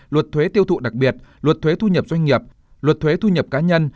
luật thuế tiêu thụ đặc biệt luật thuế thu nhập doanh nghiệp luật thuế thu nhập cá nhân